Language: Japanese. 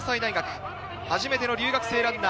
最強の留学生ランナー。